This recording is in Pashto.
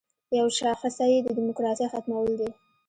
یوه شاخصه یې د دیموکراسۍ ختمول دي.